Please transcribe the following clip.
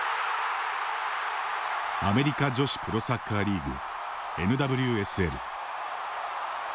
アメリカ女子プロサッカーリーグＮＷＳＬ。